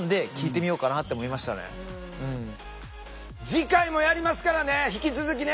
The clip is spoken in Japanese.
次回もやりますからね引き続きね。